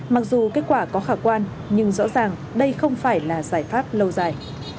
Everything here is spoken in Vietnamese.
mặc dù kết quả có khả quan nhưng rõ ràng đây không phải là giải pháp lâu dài